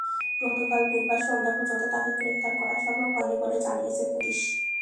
গতকাল বুধবার সন্ধ্যা পর্যন্ত তাঁকে গ্রেপ্তার করা সম্ভব হয়নি বলে জানিয়েছে পুলিশ।